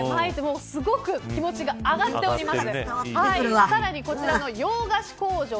すごく気持ちが上がっております。